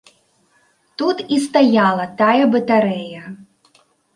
Тут і стаяла тая батарэя.